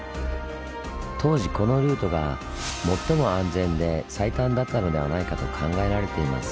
当時このルートが最も安全で最短だったのではないかと考えられています。